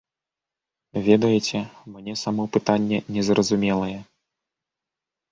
Ведаеце, мне само пытанне незразумелае.